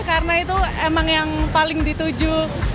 karena itu emang yang paling dituju